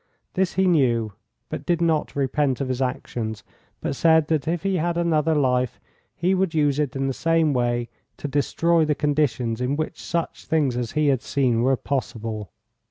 This he knew, but did not repent of his action, but said that if he had another life he would use it in the same way to destroy the conditions in which such things as he had seen were possible.